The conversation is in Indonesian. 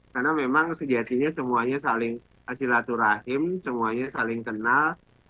karena memang sejatinya semuanya saling silaturahim semuanya saling kenal